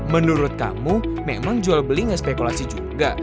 menurut kamu memang jual beli nggak spekulasi juga